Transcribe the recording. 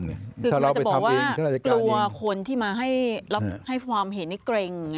คือเราจะบอกว่ากลัวคนที่มาให้รับให้ความเห็นนี่เกร็ง